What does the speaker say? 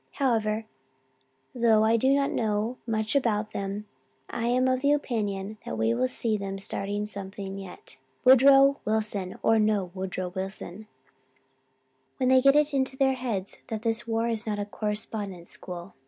However, though I do not know much about them, I am of the opinion that we will see them starting something yet, Woodrow Wilson or no Woodrow Wilson, when they get it into their heads that this war is not a correspondence school.